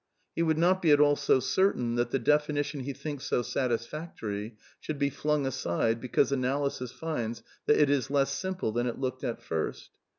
He would not be at all so certain that the definition he thinks so satis factory should be flung aside because analysis finds that it is less simple than it looked at first.